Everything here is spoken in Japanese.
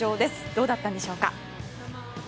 どうだったんでしょうか。